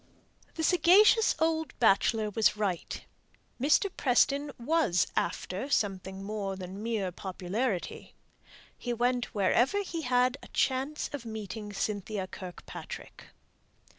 The sagacious old bachelor was right. Mr. Preston was "after" something more than mere popularity. He went wherever he had a chance of meeting Cynthia Kirkpatrick.